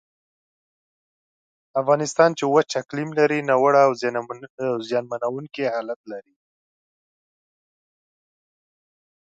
افغانستان چې وچ اقلیم لري، ناوړه او زیانمنونکی حالت لري.